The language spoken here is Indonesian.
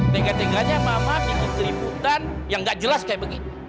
tegak tegaknya mama bikin keributan yang nggak jelas kayak begini